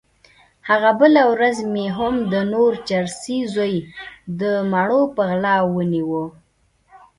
هغه بله ورځ مې هم د نور چرسي زوی د مڼو په غلا ونيو.